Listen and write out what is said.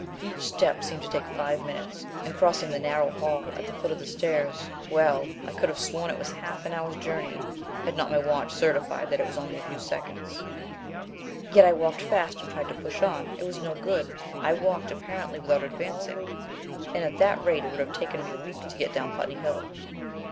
Each step seemed to take five minutes, and crossing the narrow hall at the foot of the stairs well, I could have sworn it was half an hour's journey had not my watch certified that it was a few seconds. Yet I walked fast and tried to push on. It was no good. I walked apparently without advancing, and at that rate it would have taken me a week to get down Putney Hill."